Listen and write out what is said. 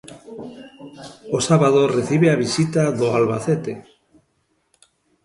O sábado recibe a visita do Albacete.